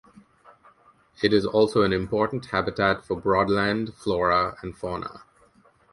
It is also an important habitat for broadland flora and fauna.